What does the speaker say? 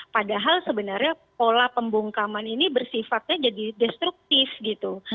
padahal sebenarnya pola pembungkaman ini bersifatnya jadi destruktif gitu